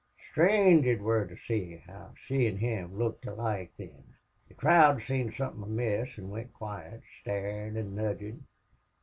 Sthrange it wor to see how she an' him looked alike thin. "The crowd seen somethin' amiss, an' went quiet, starin' an' nudgin'....